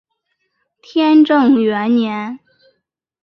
天正元年。